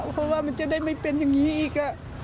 เพราะว่ามันจะได้ไม่เป็นอย่างนี้อีก